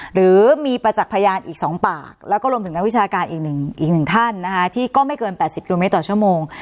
หรือมีประจักษ์พยานอีก๒ปากแล้วก็รวมถึงนักวิชาการอีกหนึ่งท่านนะคะที่ก็ไม่เกิน๘๐กิโลเมตรต่อชั่วโมง